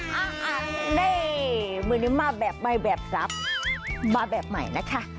เฮ้ยวันนี้มาแบบใหม่แบบสับมาแบบใหม่นะคะ